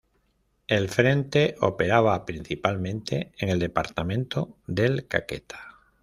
El frente operaba principalmente en el departamento del Caquetá.